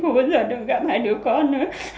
không cho mẩy gặp lại các con